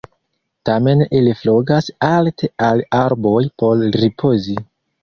Tamen ili flugas alte al arboj por ripozi.